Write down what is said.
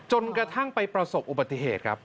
จนกระทั่งไปประสบอุบัติเหตุครับ